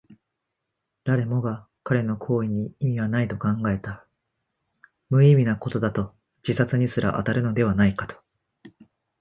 誰もが彼の行為に意味はないと考えた。無意味なことだと、自殺にすら当たるのではないかと。